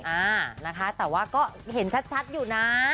อ่านะคะแต่ว่าก็เห็นชัดอยู่นะ